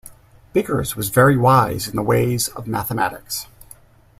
Biggers was very wise in the ways of mathematics.